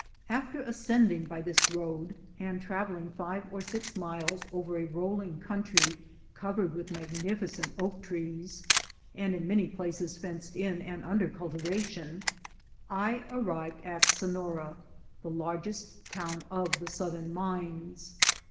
After ascending by this road and traveling five or six miles over a rolling country covered with magnifi cent oak trees, and in many places fenced in and under cultivation, I arrived at Sonora, the largest town of the southern mines.